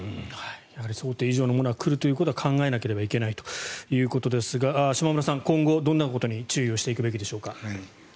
やはり想定以上のものは来るということは考えなければいけないということですが島村さん、今後どういうことに注意していくべきでしょうか。